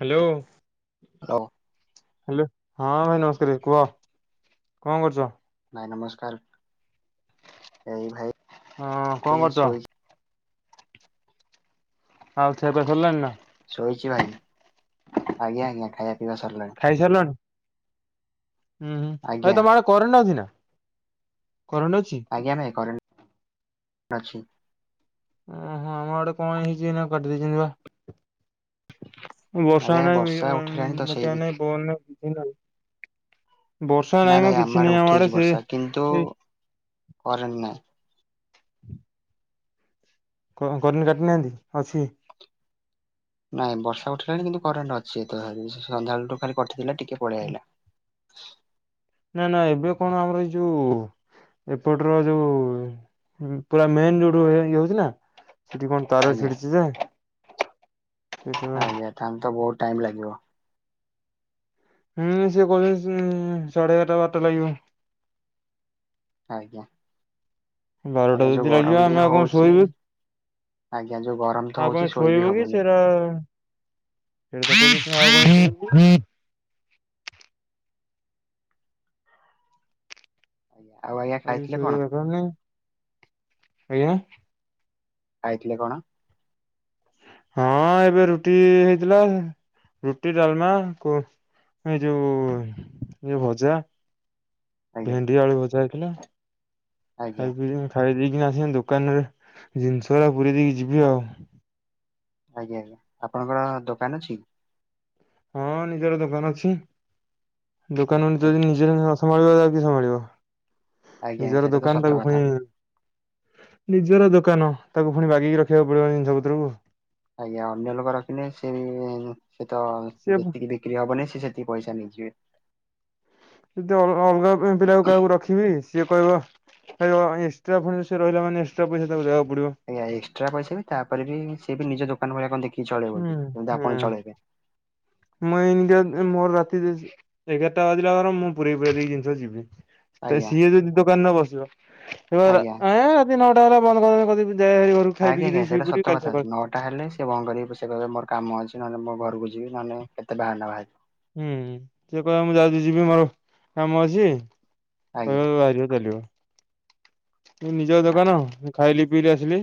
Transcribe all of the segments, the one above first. Hello hello hello. ହଁ ଭାଇ ନମସ୍କାରେ କୁହ କଣ କରୁଚ? ଭାଇ ନମସ୍କାର। ଏଇ ହଁ କଣ ଭାଇ କରୁଚ? ଶୋଇ ଆଉ ଖିଆପିଆ ସାରିଲାଣି ନା? ଶୋଇଛି ଭାଇ। ଆଜ୍ଞା ଆଜ୍ଞା ଖାଇବା ପିଇବା ସାରିଲାଣି। ଖାଇସାରିଲଣି? ହୁଁ ହୁଁ ଭାଇ ଆଜ୍ଞା ତମ ଆ କରେଣ୍ଟ୍ ଅଛି ନାଁ? କରେଣ୍ଟ୍ ଅଛି? ଆଛି। ଉଁ ହୁଁ ଆମ ଆଡ଼େ କଣ ହେଇଚି ଏଇନା କାଟି ଦେଇଚନ୍ତି ବା। ବର୍ଷା ଆଜ୍ଞା ହୁଅନ୍ତା କି ବର୍ଷା ଉଠିଲାଣି [unintelligible] ତ ବାତିଆ ସେଇ ନାହିଁ ପବନ ନାହିଁ ଦିନରେ ବର୍ଷା ନାଇଁ ମ ଭାଇ କିଛି ଆଡେ ନାହିଁ ଆମ ଉଠେଇଛି ଆଡ଼େ ସେ ବର୍ଷା କିନ୍ତୁ ଏ [inaudible] କରେଣ୍ଟ ନାହିଁ କଁ କରେନ୍ କାଟି ନାହାନ୍ତି ଅଛି। ନାଇଁ ବର୍ଷା ଉଠିଲାଣି କିନ୍ତୁ କରେଣ୍ଟ୍ ଅଛି ଏତ ସାରି ସେ ସନ୍ଧ୍ୟା ଅଳଠୁ ଖାଲି କଟିଥିଲା ଟିକେ ପଳିଆଇଲା। ନାଁ ନାଁ ଏବେ କଣ ଆମର ଏଇ ଯୋଉ ଏପଟର ଯୋଉ ଉଁ ପୁରା ମେନ୍ ଯୋଉଠୁ ଏ ଇଏ ହଉଚି ନାଁ ହେଠି କଣ ତାର ଆଜ୍ଞା ଛିଡି଼ଚି ଯେ ଆଜ୍ଞା ତାହେନେ ତ ବୋହୁ ଟାଇମ୍ ଲାଗିବ। ହୁଁ ସିଏ କୋହୁଚନ୍ତି ସୁଁ ସାଢ଼େ ଏଗାରଟା ବାରଟା ଲାଗିବ। ଆଜ୍ଞା। ଆଜ୍ଞା ବାରଟା ଯୋଉ ଯଦି ଲାଗିବ ଗରମ ବି ଆମେ ଆଉ କଁ ହଉଛି ଶୋଇବୁ? ଆଜ୍ଞା ଯୋଉ ଗରମ ତ ଆଉ ହଉଛି କମାଇ ଶୋଇ ବିି ଶୋଇବୁ କି ହବନି ସେରା ଏ ତା କୋଉଚ ଫୁଣି ଆଉ କ [unintelligible] ଆଇଆ। ଆଉ କିଛି ଶୋଇବା ଦକାର୍ ନାହିଁ। ଆଜ୍ଞା? ଖାଇଥିଲେ କଣ? ହଁ ଏବେ ରୁଟି ହେଇଥିଲା ରୁଟି ଡାଲମା କୁ ଏ ଯୋଉ ଯୋଉ ଭଜା ଆଜ୍ଞା ଭେଣ୍ଡି ଆଳୁ ଭଜା ହେଇଥିଲା। ଆଜ୍ଞା ଖାଇ ପିଇକି ମୁଁ ଖାଇ ଦେଇ ଇଁ ଆସିଁ ଦୋକାନରେ ଜିନିଷଉରା ପୁରେଇ ଦେଇକି ଯିବି ଆଉ। ଆଜ୍ଞା ଆଜ୍ଞା। ଆପଣଙ୍କର ଦୋକାନ ଅଛି? ହଁ ନିଜର ଦୋକାନ ଅଛି। ଦୋକାନ ଅନ୍ ତୁ ଆଜ୍ଞା ଯଦି ନିଜେ ଥମଳି ବଦା କିଏ ସମାଳିବ? ଆଜ୍ଞା ଆଜ୍ଞା, ନିଜର ସେଇଟା ତ ଦୋକାନ ସତ ତାକୁ କଥା। ଫୁଣି ନିଜର ଦୋକାନ ତାକୁ ଫୁଣି ବାଗେଇକି ରଖିବାକୁ ପଡ଼ିବ ଜିନିଷ ପତ୍ରକୁ। ଆଜ୍ଞା ଅନ୍ୟ ଲୋକ ରଖିନେ ସେ ସେ ତ ସିଏ ଯେତିକି ବିକ୍ରି ହବନି ସିଏ ସେତିକି ପଇସା ନେଇଯିବେ। ଯଦି ଅଲ୍ ଅଲଗା ପି ପିଲାକୁ କାହାକୁ ରଖିବି ଚିଏ କଇବ କଇବ ଏକ୍ସଟ୍ରା ଫୁଣି ସିଏ ରହିଲା ମାନେ ଏକ୍ସଟ୍ରା ପଇସା ତାକୁ ଦେଆଉ ଆଜ୍ଞା ଏକ୍ସଟ୍ରା ପଇସା ବି ତାପରେ ବି ସିଏ ବି ନିଜ ଦୋକାନ ଭଳିଆ କଁ ଦେଖି କି ଚଳିବ ହୁଁ କି ଏମିତି ଆପଣ ହୁଁ ଚଳେଇବେ? ମୁଁ ଏନ୍ତିଆ ଏ ମୋର ରାତି ଦେ ସି ଏଗାରଟା ବାଜିଲା ପରେ ମୁଁ ପୁରେଇ ପୁରା ଦେଇକି ଜିନିଷ ଯିବି‌। ତେ ଆଜ୍ଞା ସିଏ ଯଦି ଦୋକାନରେ ବସିବ ହେବ ରା ଆଜ୍ଞା ଆଏଁ ରାତି ନଅଟା ହେଲା ବନ୍ଦ କରିନି କରିଦେଇ ବି ଆଜ୍ଞା ଆଜ୍ଞା ସେଟା ସତ କଥା। ନଅଟା ହେଲେ ସିଏ ବନ୍ଦ କରିବେ ପ ସି କହିବେ ମୋର କାମ ଅଛି ନହେନେ ମୋ ଘରୁକୁ ଯିବି ନହେନେ କେତେ ବାହାନା ବାହାରିବ। ହୁଁ ସେ କହିବ ମୁଁ ଯାଉଚି ଯିବି ମୋର କାମ ଅଛି ଆଜ୍ଞା କହିବ ବାହାରିବ ଚାଲିବ। ଉଁ ନିଜ ଦୋକାନ ଏଁ ଖାଇଲି ପିଇଲି ଆସିଲି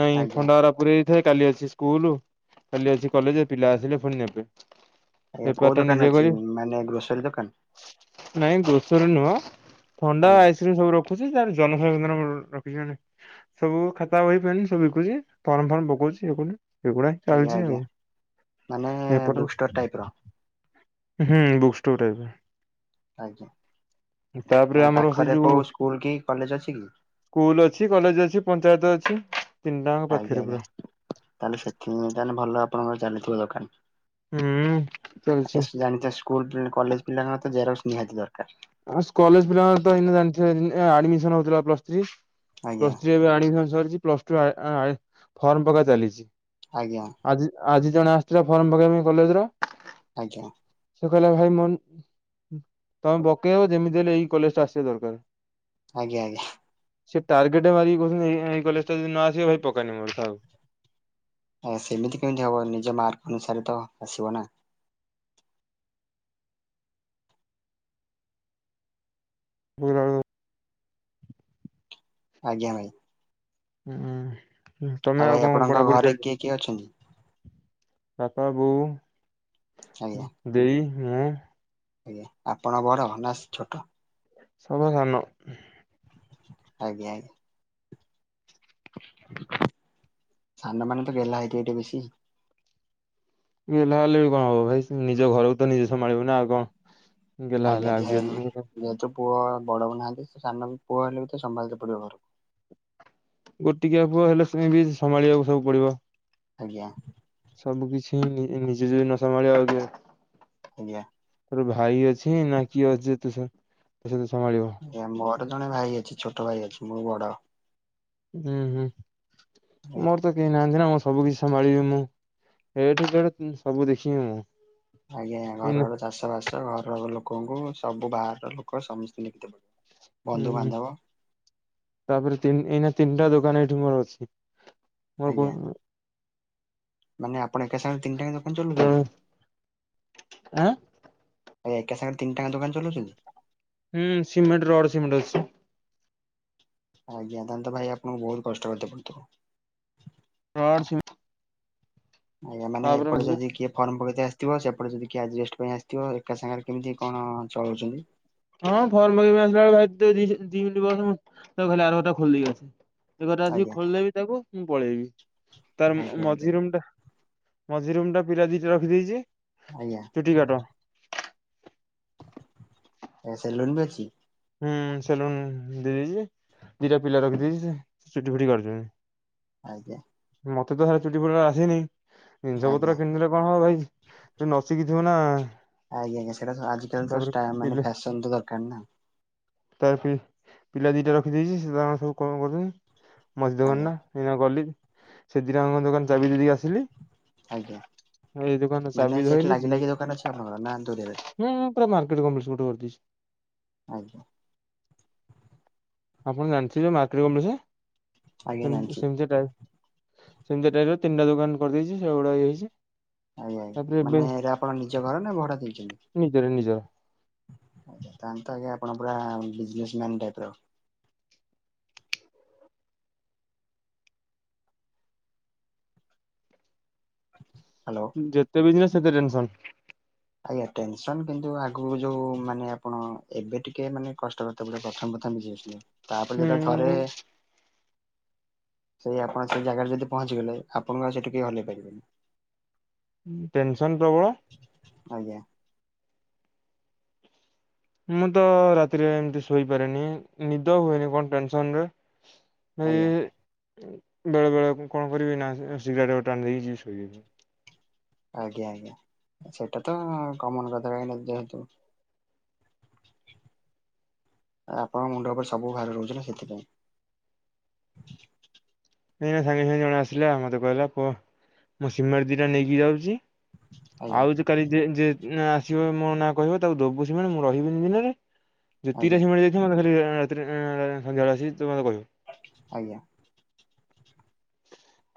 ନାଇଁ ଆଜ୍ଞା ଥଣ୍ଡାଏରା ପୁରେଇ ଥାଏ କାଲି ଅଛି ସ୍କୁଲୁ କାଲି ଅଛି କଲେଜେ ପିଲା ଆସିଲେ ଫୁଣି ନେବେ। ଆଜ୍ଞା ବେପାର କୋଉ ଟା ନିଜେ ଦୋକାନ ଅଛି କରିବି ମାନେ ଗ୍ରୋସରୀ ଦୋକାନ୍? ନାଇଁ ଗ୍ରୋସରୀ ନୁଅଁ ଥଣ୍ଡା ଆଜ୍ଞା। ଆଇସ୍କ୍ରିମ୍ ସବୁ ରଖୁଚି ଯାର ଜନସାରଓକାନ ଗୋ ରଖିଚି ହେନେ ସବୁ ଖାତା ବହି ପେନ୍ ସବୁ ବିକୁଚି ଫର୍ମ ଫର୍ମ ପକଉଚି ଇଏ କରୁଚି। ଏଗୁଡ଼ା ହଁ ଆଜ୍ଞା ଚାଲିଚି ଆଜ୍ଞା ଆଉ ମାନେ ଏପଟରେ ବୁକ୍ ଷ୍ଟୋର ଟାଇପ ର ହୁଁ ବୁକ୍ ଷ୍ଟୋର୍ ଟାଇପ୍ ର। ଆଜ୍ଞା, ତାପରେ ମାନେ ଆମର ସେ ପାଖରେ ଯୋଉ କୋଉ ସ୍କୁଲ କି କଲେଜ? ଅଛି କି ସ୍କୁଲ ଅଛି, କଲେଜ ଅଛି, ପଞ୍ଚାୟତ ଅଛି। ତିନିଟାଙ୍କ ପାଖରେ ଆଜ୍ଞା, ପୁରା ଆଜ୍ଞା, ତାହେଲେ ସେଥି [unintelligible] ତାହେଲେ ଭଲ ଆପଣଙ୍କର ଚାଲିଥିବ ଦୋକାନ। ହୁଁ ଚାଲିଛି ଆ ଜାଛ [unintelligible] ସ୍କୁଲ କଲେଜ ପିଲା ତ ଜେରକ୍ସ ନିହାତି ଦରକାର। କଲେଜ ପିଲାଙ୍କର ଏଇନେ ଜାଣିଥିବ ଆଡିମିଶନ ହଉଥିଲା ପ୍ଲସ ଥ୍ରୀ। ଆଜ୍ଞା ପ୍ଲସ ଥ୍ରୀ ଏବେ ଆଡ଼ମିସନ ସରିଛି, ପ୍ଲସ ଟୁ ଫର୍ମ ପକା ଚାଲିଛି। ଆଜ୍ଞା। ଆଜି ଆଜି ଜଣେ ଆସିଥିଲା ଫର୍ମ ପକେଇବା ପାଇଁ କଲେଜ ର ଆଜ୍ଞା। ସେ କହିଲା ଭାଇ ତମେ ପକେଇବ, ଯେମିତି ହେଲେ ଏଇ କଲେଜ ଟା ଆସିବା ଦରକାର। ଆଜ୍ଞା ଆଜ୍ଞା। ସେ ଟାର୍ଗେଟ ମାରିକି କହୁଛନ୍ତି, ଏଇ କଲେଜ ଟା ଯଦି ନ ଆସିବ ଭାଇ ପକାନି ମୋର ଥାଉ ଆ ସେମିତି କେମିତି ହବ, ନିଜ ମାର୍କ ଅନୁସାରେ ତ ଆସିବ ନା ହ ଆଳ [unintelligible] ଆଜ୍ଞା ଭାଇ। ହଁ, ତମେ ଭାଇ ଆଉ କଣ ଆପଣଙ୍କ ବଢା ବଢି ଘରେ ଚାଲିଛ? କିଏ କିଏ ଅଛନ୍ତି ବାପା, ବୋଉ, ଆଜ୍ଞା ଦେଇ, ମୁଁ। ଆଜ୍ଞା, ଆପଣ ବଡ ନା ଛୋଟ? ସଭା ସାନ ଆଜ୍ଞା ଆଜ୍ଞା। ସାନମାନେ ତ ଗେଲ୍ହା ହେଇଥିବେ ଟିକେ ବେଶୀ। ଇଏ ନ ହେଲେ ବି କଣ ହବ? ଭାଇ ନିଜ ଘରକୁ ତ ନିଜେ ସମାଳିବୁ ନା ଆଉ କଣ? ଗଲା ଆଜ୍ଞା ହେଲେ ଆଗଞ [unintelligible] ଯେହେତୁ ପୁଅ ବଡ ହଉ ନାହାନ୍ତି, ସେ ସାନ ବି ପୁଅ ହେଲେ ବି ତ ସମ୍ଭାଳ ତେ ପଡିବ ଘର ଗୋଟିକିଆ ପୁଅ ହେଲେ ସେମ ବି ସମ୍ଭାଳିବାକୁ ସବୁ ପଡିବ। ଆଜ୍ଞା। ସବୁ କିଛି ନିଜେ ଯି [unintelligible] ନଶା ମଳିବା ଆ ଦ ଆଜ୍ଞା ତୋର ଭାଇ ଅଛି, ନା କିଏ ଅଛି ଯେ, ତୁ ତୋ ସହିତ ସମାଳିବ? ଆଜ୍ଞା ମୋର ଜଣେ ଭାଇ ଅଛି, ଛୋଟ ଭାଇ ଅଛି, ମୁଁ ବଡ। ହୁଁ ହୁଁ, ଆଜ୍ଞା ମୋର ତ କେହି ନାହାନ୍ତି ନା ମ ସବୁ କିିଛି ସମାଳିବି ମୁଁ, ଏ ଠୁ ଜେଡ ସବୁ ଦେଖିବି ମୁଁ ଆଜ୍ଞା, ଘର ଏଇନା ର ଚାଷ ବାସ, ଘର [unintelligible] ସବୁ ବାହାରର ଲୋକ ସମସ୍ତେ ଦେକ୍ତେ [unintelligible] ପଡିବ। ବନ୍ଧୁ ହୁଁ, ବାନ୍ଧବ ତାପରେ ଏଇନା ତିନିଟା ଦୋକାନ, ଏଇଠି ମୋର ଅଛି। ମୋର କ ଆଜ୍ଞା [unintelligible] ମାନେ ଆପଣ ଏକା ସାଙ୍ଗେ ତିନଟାଆଙ୍କ ଦୋକାନ ଚଲଉଛନ୍ତି? ଆଁ ଆ ଏକେ ସାଙ୍ଗେ ତିନିଟାଆଙ୍କ ଦୋକାନ ଚଲଉଛନ୍ତି? ହୁଁ ସିମେଣ୍ଟ ରଡ ସିମେଣ୍ଟ ଅଛି ଆଜ୍ଞା, ତାହାନେ ତ ଭାଇ ଆପଣଙ୍କୁ ବହୁତ କଷ୍ଟ କରିତେ ପଡୁଥିବ। ଆ ର ସି ବି ଆଜ୍ଞା, ମାନେ ଏ ପଟେ ଯଦି କିଏ ଫର୍ମ ପକେଇତେ ଥିବ, ସେପଟେ ଯଦି କିଏ ଆଜବେଷ୍ଟ ପାଇଁ ଆସିଥିବ, ଏକା ସାଙ୍ଗରେ କେମିତି କଣ ଚଳଉଛନ୍ତି? ହଁ ଫର୍ମ କେ ଆସିଲ ଭାଇ ଦି [unintelligible] ଲଇ ମିନଟ ବସ ଖାଲି ଆର ଘର ଟା ଖୋଲିଦେଇ ଆସୁଛି। ସେ ଘରଟା ଆସିକି ଆଜ୍ଞା ଖୋଲିଦେବି ତାକୁ, ମୁଁ ପଳେଇବି, ତାର ଆଜ୍ଞା ଆଜ୍ଞା ମଝିରୁମ ଟା ମଝିରୁମ ଟା ପିରା ଦିଟା ରଖିଦେଇଛି, ଆଜ୍ଞା ଚୁଟି କାଟ। ସେଲୁନ ବି ଅଛି? ହୁଁ ସେଲୁନ ଦେଇ ଦେଇଛି, ଦିଟା ପିଲା ରଖିଦେଇଛି, ସେ ଚୁଟି ଫୁଟି କାଟୁଛନ୍ତି। ଆଜ୍ଞା। ମତେ ତ ଭାଇ ଚୁଟି ଫୁଟି ଆସିନି, ଜିନିଷ ଆଜ୍ଞା ପତ୍ର କିଣିଦେ ଲେ କଣ ହବ ଭାଇ। ନସିକି ଥିବ ନା ଆଜ୍ଞା ଆଜ୍ଞା, ସେଟା ଆଜି କାଲି ତାପରେ ତ ମାନେ ପିଲା ଫ୍ୟାସନ ତ ଦରକାର ନା। ତା ପି ପିଲା ଦିଟା ରଖିଦେଇଛି। ମଝି ଆଜ୍ଞା ଦୋକାନଟା ଏଇନା ଗଲି ସେ ଦିରାଙ୍କ ଦୋକାନ ଚାବି ଦେଇ ଦେଇକି କି ଆସିଲି। ଆଜ୍ଞା। ଏଇ ଦୋକାନ ଚାବି ମାନେ ସେଠି ଧଇଲି ଲାଗି ଯିବି ଲାଗି ଦୋକାନ ଅଛି ଆପଣଙ୍କର ନା ଦୂରରେ? ମୁଁ ପୁରା ମାର୍କେଟ କମ୍ପ୍ଲେକ୍ସ ଗୋଟେ କରିଦେଇଛି ଆଜ୍ଞା। ଆପଣ ଜାଣିଥିବେ ମାର୍କେଟ କପ୍ଲେକ୍ସ ଆଜ୍ଞା ସେମିତି ଜାଣିଛି ସେମତିଟା। ସେମିତି ଟାଇପର ତିନିଟା ଦୋକାନ କରିଦେଇଚି ସେଗୁଡା ଇଏ ହେଇଛି। ଆଜ୍ଞା ଆଜ୍ଞା ତାପରେ ଏବେ ମାନେ ଏରା ଆପଣ ନିଜ ଘରନା ଭଡା ଦେଇଛନ୍ତି। ନିଜର ନିଜର ଆ ତାହେନ୍ତ ଆଜ୍ଞା ଆପଣ ପୁରା ବିଜନେସ ମ୍ୟାନ ଟାଇପର। ହ୍ୟାଲୋ। ଯେତେ ବିଜନେସ ସେତେ ଟେନସନ। ଆ ଟେନସନ କିନ୍ତୁ ଆଗକୁ ଯୋଉ ମାନେ ଆପଣ ଏବେ ଟିକେ ମାନେ କଷ୍ଟ କରିତେ ପଡ଼ିବ ପ୍ରଥମେ ପ୍ରଥମ ଯିଏ। [unintelligible] ତାପରେ ଯେତେବେଳେ ଥରେ ହୁଁ ସେଇ ଆପଣ ସେ ଜାଗାରେ ଯଦି ପହଞ୍ଚିଗଲେ ଆପଣଙ୍କ ସେଇଠି କେଇ ହଲେଇ ପାରିବେନି। ଟେନସନ ପ୍ରବଳ। ଆଜ୍ଞା। ମୁଁ ତ ରାତିରେ ଏମିତି ଶୋଇପାରେନି ନିଦ ହୁଏନି କଣ ଟେନସନରେ। ଭାଇ ଆଜ୍ଞା ବେଳେ ବେଳେ କଣ କରିବିନା ସିଗାରେଟ ଗୋଟେ ଟାଣି ଦେଇିକି ଯିବି ଶୋଇବା ପାଇଁ। ଆଜ୍ଞା ଆଜ୍ଞା ସେଇଟାତ କମନ କଥା କାହିଁକିନା ଯେହେତୁ ଆପଣଙ୍କ ମୁଣ୍ଡ ଉପରେ ସବୁ ଭାର ରହୁଛି ନା ସେଥିପାଇଁ। ନାଇଁ ସାଙ୍ଗେ ସାଙ୍ଗେ ଜଣେ ଆସିଲା ମତେ କହିଲା ପୁଅ ମୁଁ ସିମେଣ୍ଟ ଦିଟା ନେଇକି ଯାଉଛି। ଆଜ୍ଞା ଆଉ ଯେ କାଲି ଯିଏ ଯିଏ ଆସିବ ମୋ ନାଁ କହିବ ତାକୁ ଦବୁ ସିମେଣ୍ଟ ମୁଁ ରହିବିନି ଦିନରେ। ଯେତିକି ତା ଆଜ୍ଞା ସିମେଣ୍ଟ ଯାଇଥିବ ମତେ ଖାଲି ଆ ରାତିରେ ଆ ସନ୍ଧ୍ୟାବେେଳେ ଆସି ତୁ ମତେ କହିବୁ। ଆଜ୍ଞା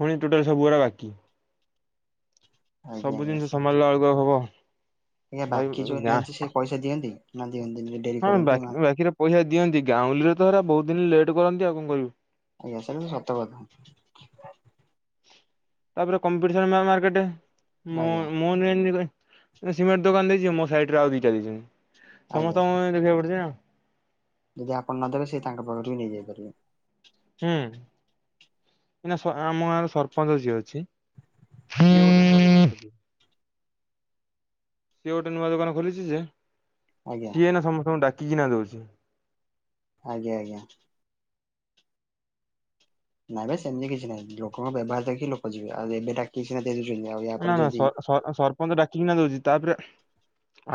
ପୁଣି ଟୋଟାଲ ସବୁ ଗୁଡା ବାକି। ଆଜ୍ଞା ସବୁ ଆଜ୍ଞା ଜିନିଷ ସେ ସମ୍ଭଳିଲା ବେଳକୁ ଆଉ ହବ। ଆଜ୍ଞା ଭାଇ ବାକି ଯୋଉ ଗାଁ ନିଅନ୍ତି ସେ ପଇସା ଦିଅନ୍ତି ନା ଦିଅନ୍ତି ଡେରି ହଁ କରନ୍ତି ବାକି ମା ବାକିରେ ପଇସା ଦିଅନ୍ତି ଗାଉଁଲିରେ ତ ହେରା ବହୁତ ଦିନ ଲେଟ୍ କରନ୍ତି ଆଉ କଣ କରିବୁ। ଆଜ୍ଞା ସେଇଟାତ ସତ କଥା। ତାପରେ କମ୍ପିଡିସନ ମାର୍କେଟ ଆଜ୍ଞା ମୁନ ମୁନ [unintelligible] ସିମେଣ୍ଟ ଦୋକାନ ଦେଇଛି ମୋ ସାଇଟରେ ଆଉ ଦିଟା ଦେଇଛନ୍ତି ଆଜ୍ଞା ସମସ୍ତଙ୍କୁ ଦେଖିବାକୁ ପଡୁଛିନା। ଯଦି ଆପଣ ନ ଦେବେ ସେ ତାଙ୍କ ପାଖରୁ ବି ନେଇ ଯାଇପାରିବେ। ହୁଁ ଏନା ଆମ ଗାଁର ସ-ସରପଞ୍ଚ ଯିଏ ଅଛି ସିଏ ଆଜ୍ଞା। ଗୋଟେ ସିଏ ଗୋଟେ ନୂଆ ଦୋକାନ ଖୋଲିଛି ଯେ ଆଜ୍ଞା ସିଏ ଏଇନା ସମସ୍ତଙ୍କୁ ଡାକିକିନା ଦଉଛି। ଆଜ୍ଞା ଆଜ୍ଞା। ନାଇଁ ଭାଇ ସେମିତି କିଛି ନାଇଁ ଲୋକଙ୍କ ବ୍ୟବହାର ଦେଖିକି ଲୋକ ଯିବେ ଆଉ ଯେତେ ଡାକିକି ସିଏ ନା ନା ସ-ସ-ସରପଞ୍ଚ ଡାକିକିନା ଦଉଛି ତାପରେ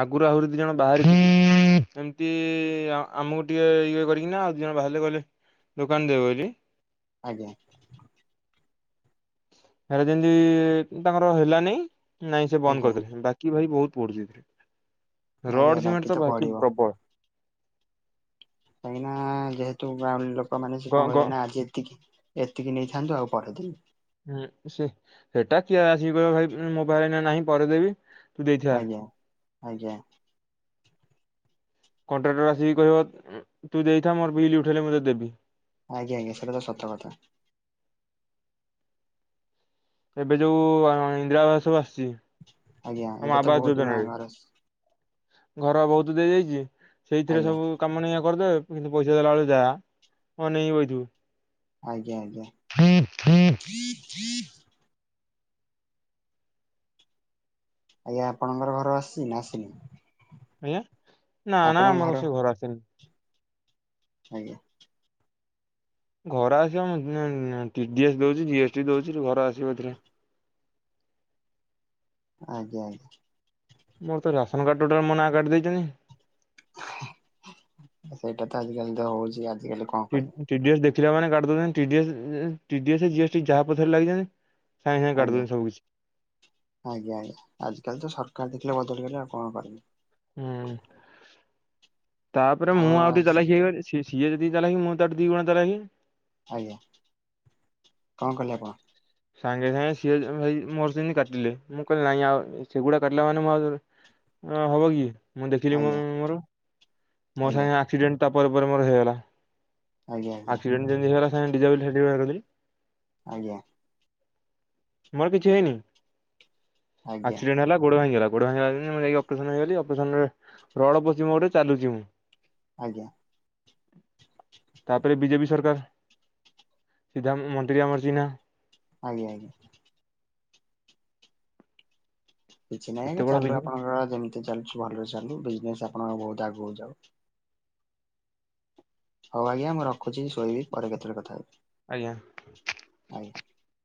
ଆଗରୁ ଆହୁରି ଦି ଜଣ ବାହାରି ଏମିତି ଆମକୁ ଟିକେ ଇଏ କରିକିନା ଆଉ ଦି ଜଣ ବାହାରିଲେ ଗଲେ ଦୋକାନ ଦେବେ ବୋଲି ଆଜ୍ଞା। ହେରା ଯେମିତି ତାଙ୍କର ହେଲାନାହିଁ ନାଇଁ ସେ ବନ୍ଦ ଆଜ୍ଞା କରିଦେଲେ। ବାକି ଭାଇ ବହୁତ ପଡ଼ୁଛି ଏଥିରେ। ରଡ଼ ସିମେଣ୍ଟ ତ ବାକି ପ୍ରବଳ। କାହିଁକିନା ଯେହେତୁ ଗାଁ ଲୋକମାନେ ସେ ଗ କଣ ଗ କରିବେନା ଆଜି ଏତିକି ଏତିକି ନେଇଥାନ୍ତୁ ଆଉ ପରେ ଦେବି। ହୁଁ ସେ ହେଟା କିଏ ଆସିକି କହିବ ଭାଇ ମୋ ପାଖରେ ଏଇନା ନାହିଁ ପରେ ଦେବି ତୁ ଦେଇଥା ଆଜ୍ଞା ଆଜ୍ଞା। କଣ୍ଟ୍ରାକ୍ଟର ଆସିକି କହିବ ଉଁ ତୁ ଦେଇଥା ମୋର ବିଲ ଉଠେଇଲେ ମୁଁ ତତେ ଦେବି। ଆଜ୍ଞା ଆଜ୍ଞା ସେଟା ତ ସତ କଥା। ଏବେ ଯୋଉ-ଉ-ଉ-ଉ ଆ ଇନ୍ଦିରା ଆବାସ ଆସ ଛି ଆଜ୍ଞା ଆମ ଏବେ ତ ଆବାସ ବହୁତ ଯୋଜନା ନୂଆ ରେ ଘର ଘର ବହୁତ ଦେଇଯାଇଛି ସେଇଥିରେ ଆଜ୍ଞା ସବୁ କାମ ଏଇନେ କରିଦେବେ କିନ୍ତୁ ପଇସା ଦେଲା ବେଳକୁ ଯାହା ଅନେଇକି ବଇ ଥିବୁ। ଆଜ୍ଞା ଆଜ୍ଞା। ଆଜ୍ଞା ଆପଣଙ୍କର ଘର ଆସିଛି ନା ଆସିନି? ଆଜ୍ଞା ନା ନା ଆମର ସେ ଘର ଆସିନି। ଆଜ୍ଞା। ଘର ଆସିବ ମୁଁ-ଉ-ଉ-ଉ ଟି ଡି ଏସ୍ ଦଉଛି, ଜି ଏସ୍ଟି ଦଉଛି ଘର ଆସିବ ଏଥିରେ। [inaudible] ଆଜ୍ଞା ଆଜ୍ଞା। ମୋର ତ ରାସନ କାର୍ଡ ଟୋଟାଲ୍ ମୋ ନାଁ କାଟି ଦେଇଛନ୍ତି। ସେଇଟା ତ ଆଜିକାଲି ତ ହଉଛି ଆ T D, T D S ଦେଖିଲା ମାନେ କାଟି ଦଉଛନ୍ତି ଟି ଡି ଏସ୍, ଏ-ଏ ଜି ଏସ୍ ଟି ଯାହା ପଛରେ ଲାଗିଛନ୍ତି। ସାଙ୍ଗେ ସାଙ୍ଗେ କାଟି ଆଜ୍ଞା ଦଉଛନ୍ତି ସବୁ କିଛି। ଆଜ୍ଞା ଆଜି କାଲି ତ ସରକାର ଦେଖିଲେ ବଦଳିଗଲା। କଣ କରିବି? ହୁଁ ତାପରେ ମୁଁ ଆଉ ଟିକିଏ ଚାଲାକ୍ ହେଇଗଲି। ସି ସିଏ ଯେତିକି ଚାଲାକ୍ ମୁଁ ତା ଠାରୁ ଦି ଗୁଣ ଚାଲାକି। ଆଜ୍ଞା କଣ କଲେ ଆପଣ? ସାଙ୍ଗେ ସାଙ୍ଗେ ସିଏ ଅ-ଅ ଭାଇ ମୋର ଯେମିତି କାଟିଲେ ମୁଁ କହିଲି ନାଇଁ ଆଉ ସେଗୁଡ଼ାକ କାଟିଲା ମାନେ ମୋ ଆଉ ହଁ ହବ କି? ମୁଁ ଦେଖିଲି ମୁଁ ଆଜ୍ଞା ମୋର ମୋ ଆଜ୍ଞା ସାଙ୍ଗେ ଆକ୍ସିଡେଣ୍ଟ ତାପରେ ପରେ ମୋର ହେଇଗଲା। ଆଜ୍ଞା ଆଜ୍ଞା ଆକ୍ସିଡେଣ୍ଟ ଯେମିତି ହେଇଗଲା, ସାଙ୍ଗେ ସାଙ୍ଗେ ଡିସ୍ଏବଲ୍ ସାର୍ଟିଫିକେଟ ବାହାର କରିଦେଲି। ଆଜ୍ଞା। ମୋର କିଛି ହେଇନି। ଆଜ୍ଞା ଆଜ୍ଞା ଆକ୍ସିଡେଣ୍ଟ ହେଲା ଗୋଡ ଭାଙ୍ଗିଗଲା ଗୋଡ଼ ଭାଙ୍ଗିଗଲା ଯେମିତି ମୁଁ ଯାଇକି ଅପରେସନ ହେଇଗଲି, ଅପରେସନରେ ରଡ଼୍ ପଶିଛି ମୋ ଗୋଡ଼ରେ ଚାଲୁଛି ମୁଁ। ଆଜ୍ଞା। ତାପରେ ବିଜେପି ସରକାର ସିଧା ମନ୍ତ୍ରୀ ଆମର ଚିହ୍ନା। ଆଜ୍ଞା। କିଛି ନାହିଁ ଆଜ୍ଞା ଏତେ ବଡ ଚାଲୁ ବିଜେ ଆପଣଙ୍କର ଯେମିତି ଚାଲୁଛି ଭଲରେ ଚାଲୁ ବିଜନେସ ଆପଣଙ୍କର ବହୁତ ଆଗକୁ ଯାଉ। ହଉ ଆଜ୍ଞା ମୁଁ ରଖୁଛି ଶୋଇବି ପରେ କେତେବେଳେ କଥା ହେବି। ଆଜ୍ଞା। [inaudible]